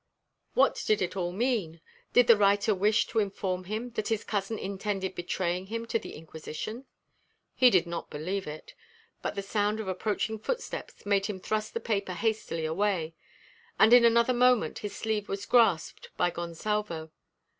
What did it all mean? Did the writer wish to inform him that his cousin intended betraying him to the Inquisition? He did not believe it. But the sound of approaching footsteps made him thrust the paper hastily away; and in another moment his sleeve was grasped by Gonsalvo.